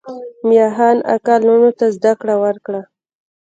میاخان اکا لوڼو ته زده کړه ورکړه.